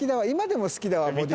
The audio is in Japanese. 今でも好きだわ。